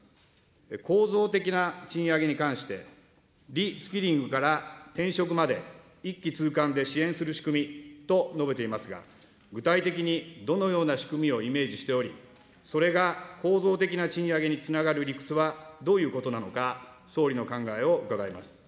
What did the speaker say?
構造的な賃上げに関して、リスキリングから転職まで一気通貫で支援する仕組みと述べていますが、具体的にどのような仕組みをイメージしており、それが構造的な賃上げにつながる理屈はどういうことなのか、総理の考えを伺います。